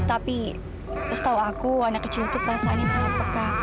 tapi setahu aku anak kecil itu perasaannya sangat peka